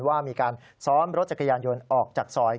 ว่ามีการซ้อนรถจักรยานยนต์ออกจากซอย